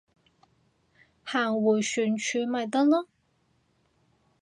行迴旋處咪得囉